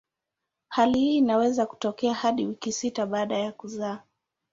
Hali hii inaweza kutokea hadi wiki sita baada ya kuzaa.